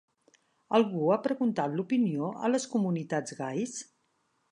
Algú ha preguntat l'opinió a les comunitats gais?